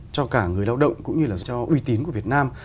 cho cả người lao động cũng như là cho uy tín của việt nam